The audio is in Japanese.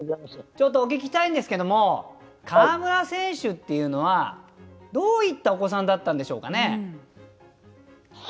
お聞きしたいんですけれども川村選手っていうのはどういうったお子さんだったんでしょうかね。